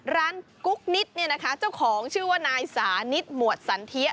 กุ๊กนิดเนี่ยนะคะเจ้าของชื่อว่านายสานิทหมวดสันเทีย